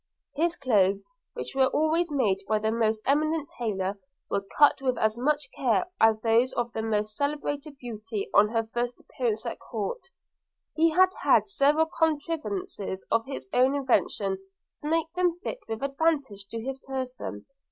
His clothes, which were always made by the most eminent taylor, were cut with as much care as those of the most celebrated beauty on her first appearance at court; and he had several contrivances, of his own invention, to make them fit with advantage to his person.